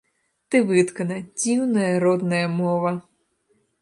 Ты выткана, дзіўная родная мова.